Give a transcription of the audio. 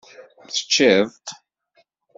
Teččiḍ-t?